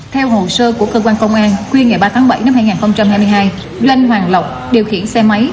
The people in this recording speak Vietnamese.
theo hồ sơ của cơ quan công an khuya ngày ba tháng bảy năm hai nghìn hai mươi hai doanh hoàng lộc điều khiển xe máy